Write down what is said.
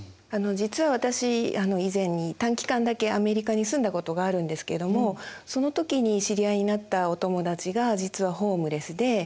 実は私以前に短期間だけアメリカに住んだことがあるんですけどもその時に知り合いになったお友だちが実はホームレスで。